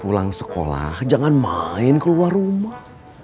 pulang sekolah jangan main keluar rumah